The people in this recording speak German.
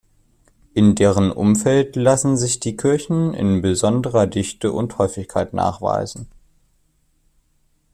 In deren Umfeld lassen sich die Kirchen in besonderer Dichte und Häufigkeit nachweisen.